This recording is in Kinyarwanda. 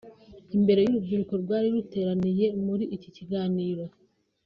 Imbere y’ urubyiruko rwari ruteraniye muri iki kiganiro